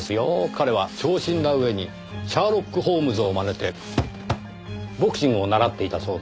彼は長身な上にシャーロック・ホームズをまねてボクシングを習っていたそうです。